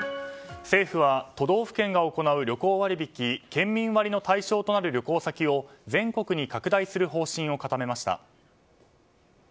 政府は都道府県が行う県民割の対象となる旅行先を全国に拡大する方針を固めました。